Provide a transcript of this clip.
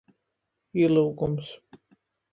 Īlyugums.